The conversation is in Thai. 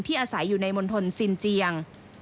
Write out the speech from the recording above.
อาศัยอยู่ในมณฑลซินเจียง